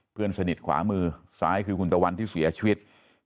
เพื่อนสนิทขวามือซ้ายคือคุณตะวันที่เสียชีวิต